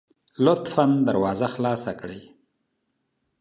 لطفا دروازه خلاصه کړئ